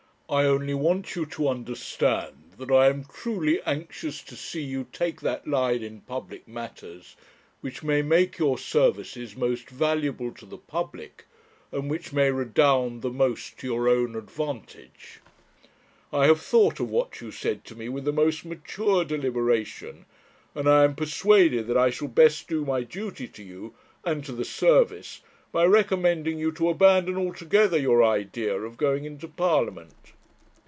I only want you to understand that I am truly anxious to see you take that line in public matters which may make your services most valuable to the public, and which may redound the most to your own advantage. I have thought of what you said to me with the most mature deliberation, and I am persuaded that I shall best do my duty to you, and to the service, by recommending you to abandon altogether your idea of going into Parliament.'